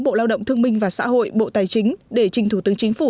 bộ lao động thương minh và xã hội bộ tài chính để trình thủ tướng chính phủ